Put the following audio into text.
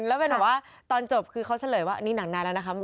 แล้วตอนจบคือเขาสะเลื่อยว่านี่หนังนานแล้วนะครับ